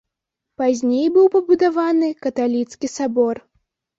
Пазней быў пабудаваны каталіцкі сабор.